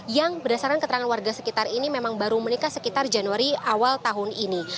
yang berdasarkan keterangan warga sekitar ini memang baru menikah sekitar januari awal tahun ini